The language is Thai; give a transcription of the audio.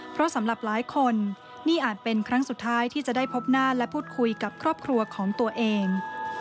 เพราะสำหรับหลายคนนี่อาจเป็นครั้งสุดท้ายที่จะได้พบหน้าและพูดคุยกับครอบครัวของตัวเอง